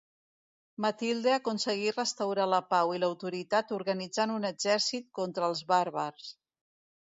Matilde aconseguí restaurar la pau i l'autoritat organitzant un exèrcit contra els bàrbars.